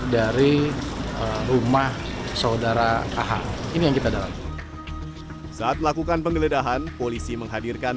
dari rumah saudara ah ini yang kita dalam saat melakukan penggeledahan polisi menghadirkan